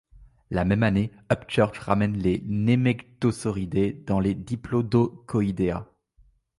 La même année, Upchurch ramène les Nemegtosauridae dans les Diplodocoidea.